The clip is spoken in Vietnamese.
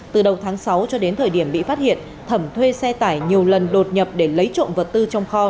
từ đầu tháng sáu cho đến thời điểm bị phát hiện thẩm thuê xe tải nhiều lần đột nhập để lấy trộm vật tư trong kho